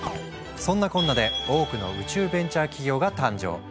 そんなこんなで多くの宇宙ベンチャー企業が誕生。